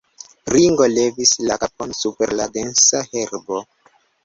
Ringo levis la kapon super la densa herbo.